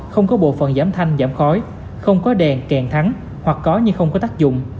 không có bộ phần giảm thanh giảm khói không có đèn kèm thắng hoặc có nhưng không có tác dụng